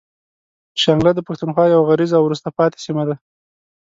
شانګله د پښتونخوا يوه غريزه او وروسته پاتې سيمه ده.